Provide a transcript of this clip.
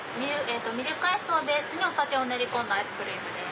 ミルクアイスをベースにお酒を練り込んだアイスです。